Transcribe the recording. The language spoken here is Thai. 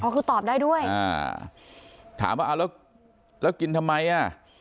คือตอบได้ด้วยอ่าถามว่าเอาแล้วแล้วกินทำไมอ่ะ